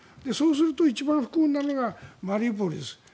そうすると一番不幸になるのがマリウポリです。